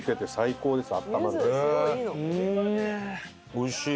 おいしい。